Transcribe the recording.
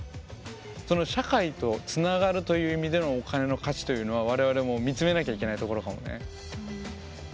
その社会とつながるという意味でのお金の価値というのは我々も見つめなきゃいけないところかもね。